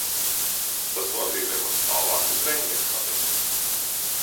Tas nozīmē mani tālāk uz rentgena kabinetu.